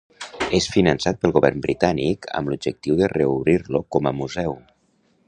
És finançat pel govern britànic amb l'objectiu de reobrir-lo com a museu.